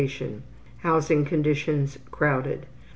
Housing conditions: Crowded.